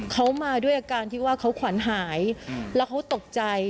เขามาด้วยอาการที่ว่าเขาขวัญหายแล้วเขาตกใจ